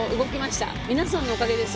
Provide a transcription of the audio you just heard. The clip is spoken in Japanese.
皆さんのおかげです。